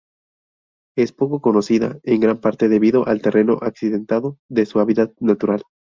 Es poco conocida, en gran parte debido al terreno accidentado de su hábitat natural.